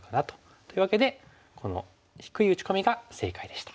というわけでこの低い打ち込みが正解でした。